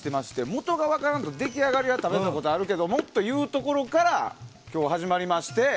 元が分からんと出来上がりは食べたことがあるけどっていうところから今日は始まりまして。